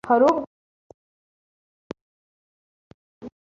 Harubwo wasanga bibaye mugihe gito